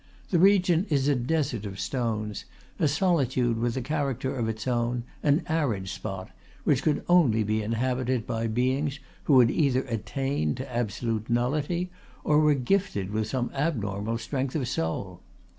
The region is a desert of stones, a solitude with a character of its own, an arid spot, which could only be inhabited by beings who had either attained to absolute nullity, or were gifted with some abnormal strength of soul.